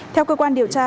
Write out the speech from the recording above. theo cơ quan điều tra